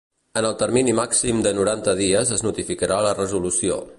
En el termini màxim de noranta dies es notificarà la resolució.